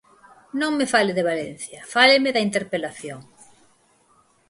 Non me fale de Valencia, fáleme da interpelación.